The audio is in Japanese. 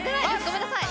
ごめんなさい